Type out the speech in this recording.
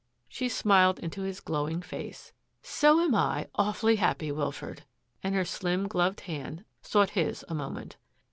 She smiled into his glowing face. " So am I * awfully happy,' Wilfred ;" and her slim, gloved hand sought his a moment.